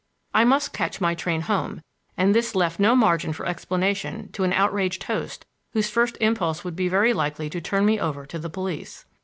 I must catch my train home, and this left no margin for explanation to an outraged host whose first impulse would very likely be to turn me over to the police.